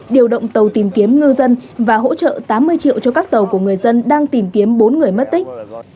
điều động tàu tìm kiếm ngư dân và hỗ trợ tám mươi triệu cho các tàu của người dân đang tìm kiếm bốn người mất tích